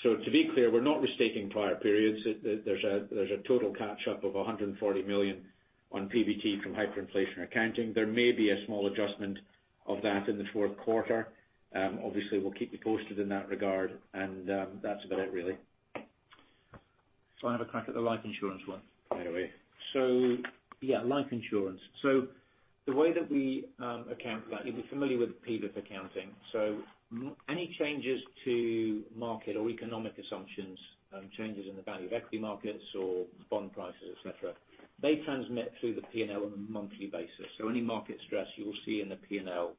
To be clear, we're not restating prior periods. There's a total catch up of $140 million on PBT from hyperinflation accounting. There may be a small adjustment of that in the fourth quarter. Obviously, we'll keep you posted in that regard, that's about it, really. I have a crack at the life insurance one. Fire away. Yeah, life insurance. The way that we account for that, you'll be familiar with PBIP accounting. Any changes to market or economic assumptions, changes in the value of equity markets or bond prices, et cetera, they transmit through the P&L on a monthly basis. Any market stress you will see in the P&L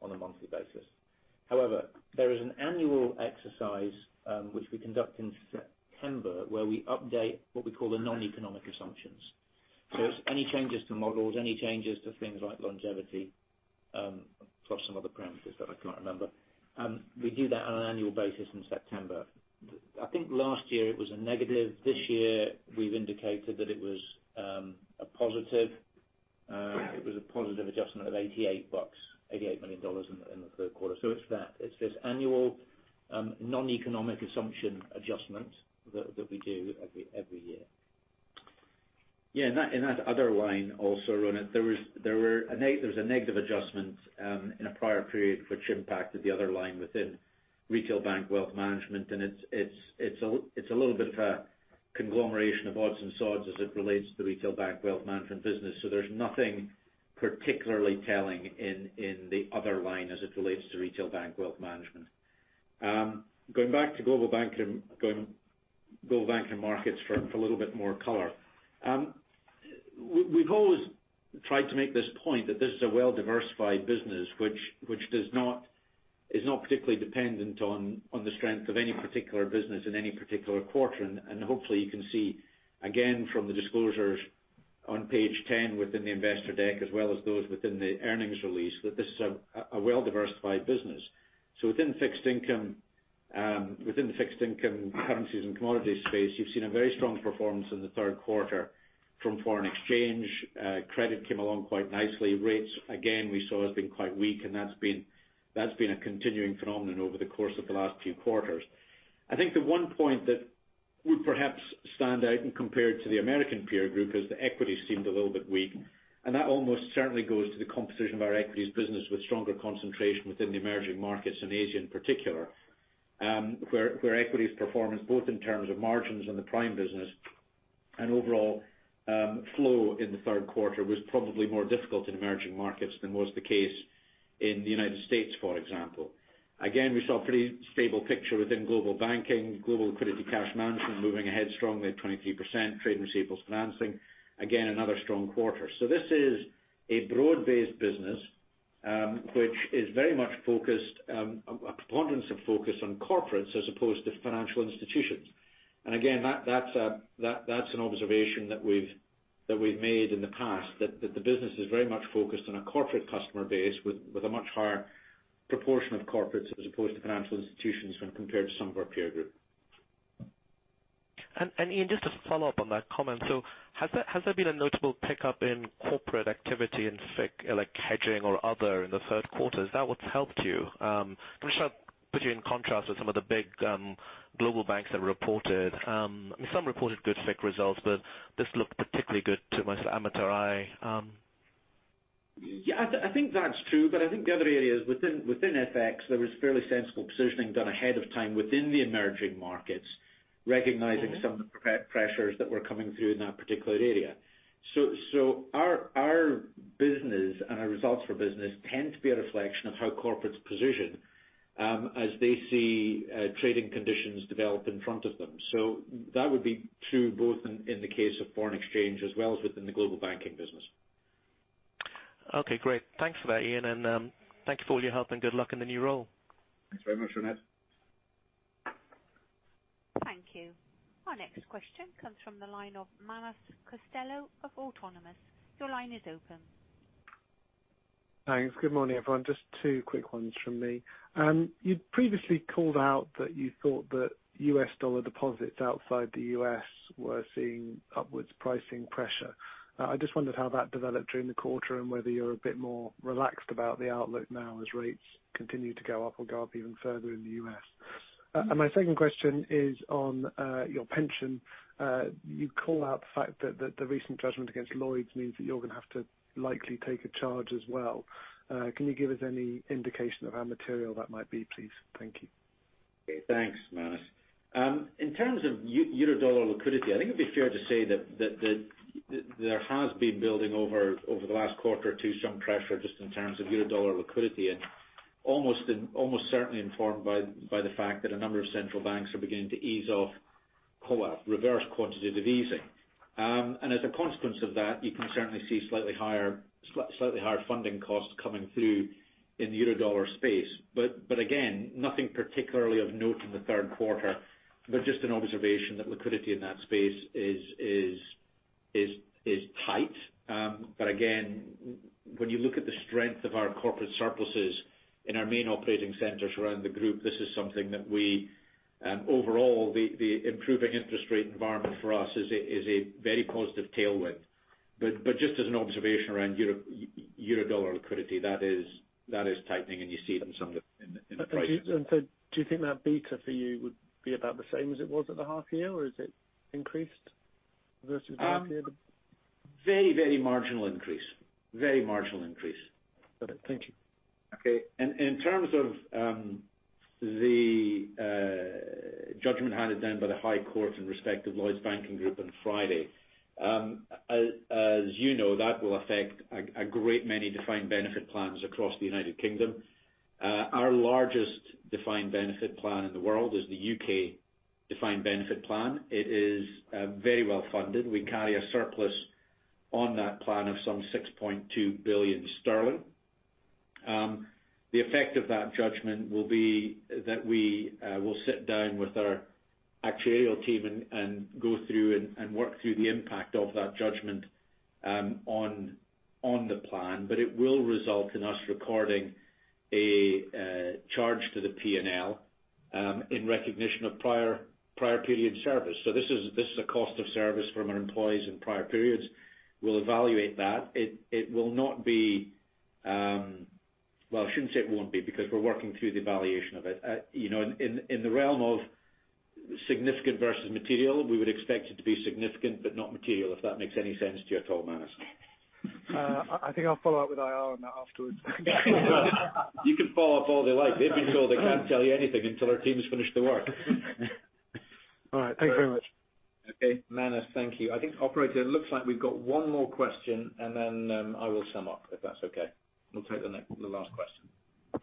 on a monthly basis. However, there is an annual exercise, which we conduct in September, where we update what we call the non-economic assumptions. It's any changes to models, any changes to things like longevity, plus some other parameters that I can't remember. We do that on an annual basis in September. I think last year it was a negative. This year we've indicated that it was a positive. It was a positive adjustment of 88 bucks, $88 million in the third quarter. It's that. It's this annual, non-economic assumption adjustment that we do every year. In that other line also, Ronit, there was a negative adjustment in a prior period which impacted the other line within Retail Banking and Wealth Management. It's a little bit of a conglomeration of odds and sods as it relates to Retail Banking and Wealth Management business. There's nothing particularly telling in the other line as it relates to Retail Banking and Wealth Management. Going back to Global Banking & Markets for a little bit more color. We've always tried to make this point, that this is a well-diversified business, which is not particularly dependent on the strength of any particular business in any particular quarter. Hopefully you can see again from the disclosures on page 10 within the investor deck, as well as those within the earnings release, that this is a well-diversified business. Within the Fixed Income, Currencies and Commodities space, you've seen a very strong performance in the third quarter from foreign exchange. Credit came along quite nicely. Rates, again, we saw has been quite weak, and that's been a continuing phenomenon over the course of the last few quarters. I think the one point that would perhaps stand out when compared to the American peer group is the equities seemed a little bit weak, and that almost certainly goes to the composition of our equities business with stronger concentration within the emerging markets in Asia in particular, where equities performance, both in terms of margins in the prime business and overall flow in the third quarter, was probably more difficult in emerging markets than was the case in the United States, for example. We saw a pretty stable picture within global banking, Global Liquidity and Cash Management moving ahead strongly at 23%. Trade receivables financing, again, another strong quarter. This is a broad-based business, which is very much focused, a preponderance of focus on corporates as opposed to financial institutions. Again, that's an observation that we've made in the past that the business is very much focused on a corporate customer base with a much higher proportion of corporates as opposed to financial institutions when compared to some of our peer group. Iain, just to follow up on that comment. Has there been a notable pickup in corporate activity in FICC, like hedging or other in the third quarter? Is that what's helped you? Which I'll put you in contrast with some of the big global banks that reported. Some reported good FICC results, but this looked particularly good to my amateur eye. Yeah, I think that's true. I think the other area is within FX, there was fairly sensible positioning done ahead of time within the emerging markets, recognizing some of the pressures that were coming through in that particular area. Our business and our results for business tend to be a reflection of how corporates position, as they see trading conditions develop in front of them. That would be true both in the case of foreign exchange as well as within the global banking business. Okay, great. Thanks for that, Iain, thank you for all your help and good luck in the new role. Thanks very much, Ronan. Thank you. Our next question comes from the line of Manus Costello of Autonomous. Your line is open. Thanks. Good morning, everyone. Just two quick ones from me. You previously called out that you thought that U.S. dollar deposits outside the U.S. were seeing upwards pricing pressure. I just wondered how that developed during the quarter and whether you're a bit more relaxed about the outlook now as rates continue to go up or go up even further in the U.S. My second question is on your pension. You call out the fact that the recent judgment against Lloyds means that you're going to have to likely take a charge as well. Can you give us any indication of how material that might be, please? Thank you. Okay, thanks, Manus. In terms of eurodollar liquidity, I think it'd be fair to say that there has been building over the last quarter or two some pressure just in terms of eurodollar liquidity and almost certainly informed by the fact that a number of central banks are beginning to ease off reverse quantitative easing. As a consequence of that, you can certainly see slightly higher funding costs coming through in the eurodollar space. Again, nothing particularly of note in the third quarter, just an observation that liquidity in that space is tight. Again, when you look at the strength of our corporate surpluses in our main operating centers around the group, this is something that we, overall, the improving interest rate environment for us is a very positive tailwind. Just as an observation around eurodollar liquidity, that is tightening and you see it in some of the prices. Do you think that beta for you would be about the same as it was at the half year, or is it increased versus the half year? Very marginal increase. Very marginal increase. Got it. Thank you. In terms of the judgment handed down by the High Court in respect of Lloyds Banking Group on Friday. You know, that will affect a great many defined benefit plans across the United Kingdom. Our largest defined benefit plan in the world is the UK Defined Benefit Plan. It is very well funded. We carry a surplus on that plan of some 6.2 billion sterling. The effect of that judgment will be that we will sit down with our actuarial team and go through and work through the impact of that judgment on the plan. It will result in us recording a charge to the P&L in recognition of prior period service. This is a cost of service from our employees in prior periods. We'll evaluate that. Well, I shouldn't say it won't be, because we're working through the evaluation of it. In the realm of significant versus material, we would expect it to be significant, but not material, if that makes any sense to you at all, Manus. I think I'll follow up with IR on that afterwards. You can follow up all you like. They've been told they can't tell you anything until our team has finished the work. All right. Thank you very much. Okay. Manus, thank you. I think, Operator, it looks like we've got one more question, and then I will sum up, if that's okay. We'll take the last question.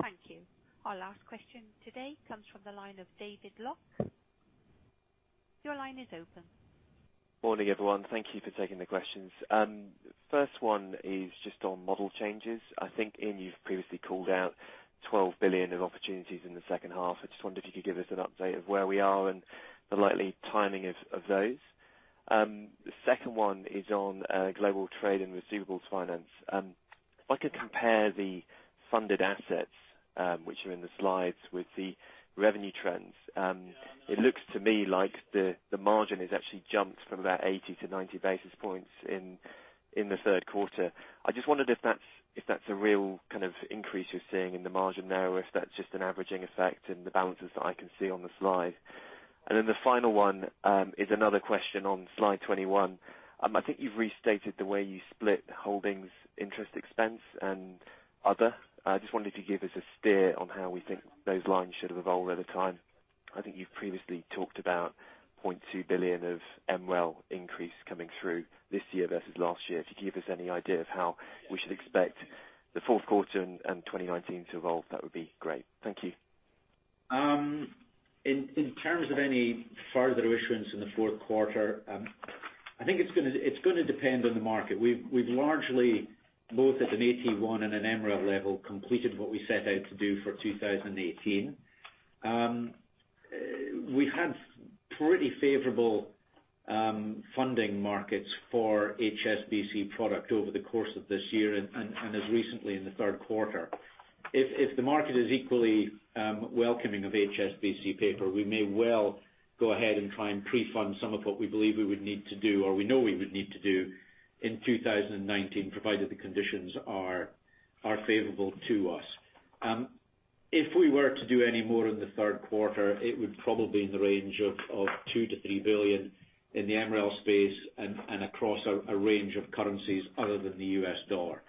Thank you. Our last question today comes from the line of David Lock. Your line is open. Morning, everyone. Thank you for taking the questions. First one is just on model changes. I think, Iain, you've previously called out $12 billion of opportunities in the second half. I just wondered if you could give us an update of where we are and the likely timing of those. The second one is on Global Trade and Receivables Finance. If I could compare the funded assets, which are in the slides, with the revenue trends. It looks to me like the margin has actually jumped from about 80-90 basis points in the third quarter. I just wondered if that's a real kind of increase you're seeing in the margin there, or if that's just an averaging effect in the balances that I can see on the slide. The final one is another question on slide 21. I think you've restated the way you split holdings interest expense and other. I just wanted you to give us a steer on how we think those lines should evolve over time. I think you've previously talked about $0.2 billion of MREL increase coming through this year versus last year. If you could give us any idea of how we should expect the fourth quarter and 2019 to evolve, that would be great. Thank you. In terms of any further issuance in the fourth quarter, I think it's going to depend on the market. We've largely, both at an AT1 and an MREL level, completed what we set out to do for 2018. We've had pretty favorable funding markets for HSBC product over the course of this year and as recently in the third quarter. If the market is equally welcoming of HSBC paper, we may well go ahead and try and pre-fund some of what we believe we would need to do, or we know we would need to do in 2019, provided the conditions are favorable to us. If we were to do any more in the third quarter, it would probably be in the range of $2 billion-$3 billion in the MREL space and across a range of currencies other than the US dollar.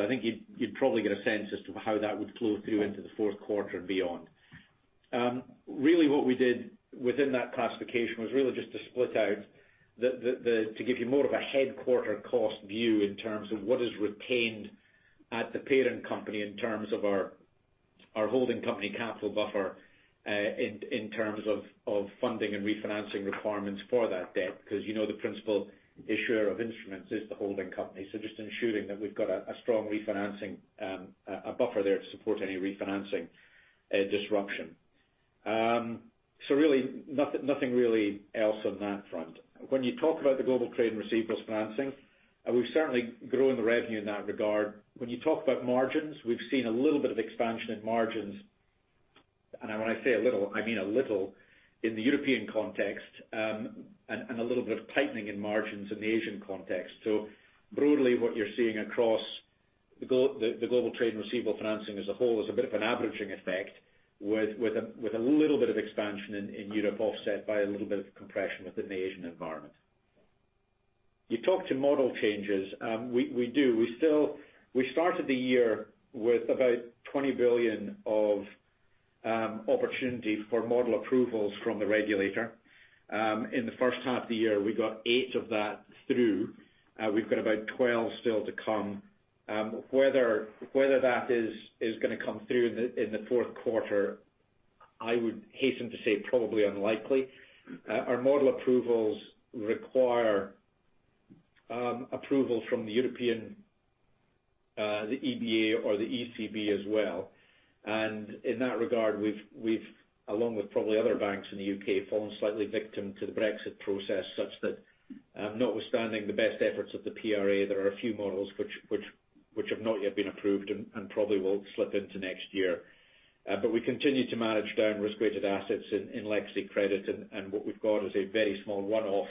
I think you'd probably get a sense as to how that would flow through into the fourth quarter and beyond. Really what we did within that classification was really just to split out, to give you more of a headquarter cost view in terms of what is retained at the parent company in terms of our holding company capital buffer, in terms of funding and refinancing requirements for that debt. Because you know the principal issuer of instruments is the holding company. Just ensuring that we've got a strong refinancing, a buffer there to support any refinancing disruption. Really, nothing really else on that front. When you talk about the Global Trade and Receivables Finance, we've certainly grown the revenue in that regard. When you talk about margins, we've seen a little bit of expansion in margins. And when I say a little, I mean a little in the European context, and a little bit of tightening in margins in the Asian context. Broadly, what you're seeing across the Global Trade and Receivables Finance as a whole is a bit of an averaging effect with a little bit of expansion in Europe offset by a little bit of compression within the Asian environment. You talk to model changes. We do. We started the year with about $20 billion of opportunity for model approvals from the regulator. In the first half of the year, we got eight of that through. We've got about 12 still to come. Whether that is going to come through in the fourth quarter, I would hasten to say probably unlikely. Our model approvals require approval from the European EBA or the ECB as well. In that regard, we've, along with probably other banks in the U.K., fallen slightly victim to the Brexit process such that notwithstanding the best efforts of the PRA, there are a few models which have not yet been approved and probably will slip into next year. We continue to manage down risk-weighted assets in legacy credit, and what we've got is a very small one-off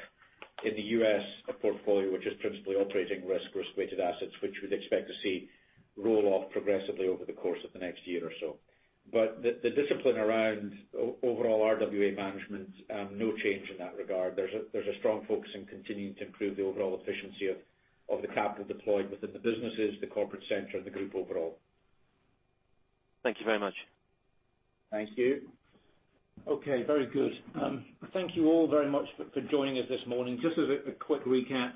in the U.S. portfolio, which is principally operating risk-weighted assets, which we'd expect to see roll off progressively over the course of the next year or so. The discipline around overall RWA management, no change in that regard. There's a strong focus in continuing to improve the overall efficiency of the capital deployed within the businesses, the corporate center, and the group overall. Thank you very much. Thank you. Okay. Very good. Thank you all very much for joining us this morning. Just as a quick recap,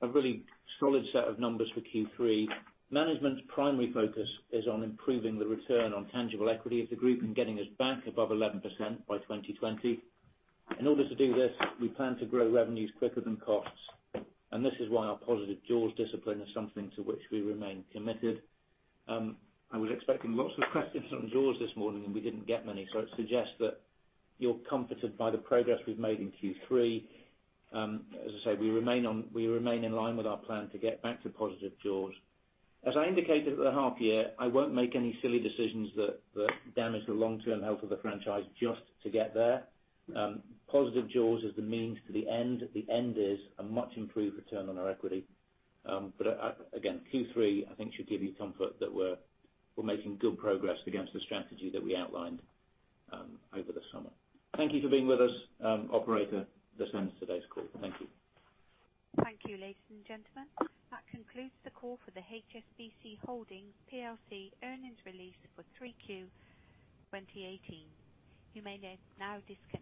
a really solid set of numbers for Q3. Management's primary focus is on improving the return on tangible equity of the group and getting us back above 11% by 2020. In order to do this, we plan to grow revenues quicker than costs, this is why our positive jaws discipline is something to which we remain committed. I was expecting lots of questions on jaws this morning, we didn't get many, it suggests that you're comforted by the progress we've made in Q3. As I say, we remain in line with our plan to get back to positive jaws. As I indicated at the half year, I won't make any silly decisions that damage the long-term health of the franchise just to get there. Positive jaws is the means to the end. The end is a much improved return on our equity. Again, Q3, I think should give you comfort that we're making good progress against the strategy that we outlined over the summer. Thank you for being with us. Operator, this ends today's call. Thank you. Thank you, ladies and gentlemen. That concludes the call for the HSBC Holdings PLC earnings release for 3Q 2018. You may now disconnect.